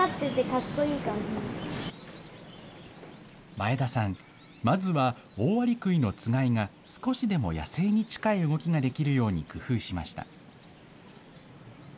前田さん、まずはオオアリクイのつがいが少しでも野生に近い動きができるように工夫しました。